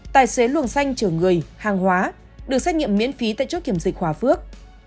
tài xế luồng xanh chở người hàng hóa được xét nghiệm miễn phí tại chốt kiểm dịch hòa phước